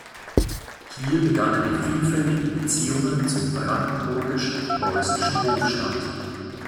Hier begannen die vielfältigen Beziehungen zum brandenburgisch-preußischen Hofstaat.